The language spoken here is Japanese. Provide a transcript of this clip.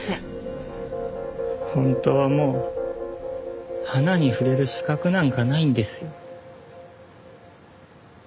本当はもう花に触れる資格なんかないんですよ。